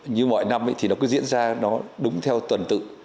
như mọi năm thì nó cứ diễn ra nó đúng theo tuần tự